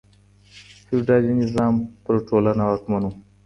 فیوډالي نظام په ټولنه واکمن و.